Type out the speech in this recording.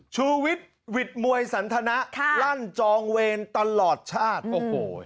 ชุวิตวิทมวยสันทน้าค่ะลั่นจองเวรตลอดชาติโอ้โห